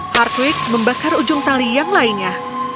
partwick membakar ujung tali yang lainnya